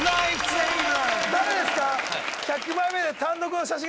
誰ですか？